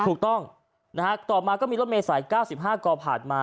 ถูกต้องนะฮะต่อมาก็มีรถเมษาย๙๕ก่อผ่านมา